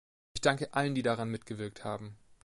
Ich danke allen, die daran mitgewirkt haben!